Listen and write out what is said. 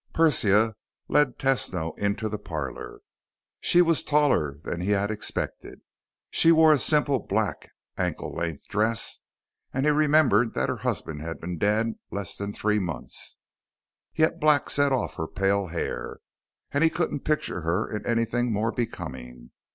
Persia lead Tesno into the parlor. She was taller than he had expected. She wore a simple, black, ankle length dress, and he remembered that her husband had been dead less than three months. Yet black set off her pale hair, and he couldn't picture her in anything more becoming.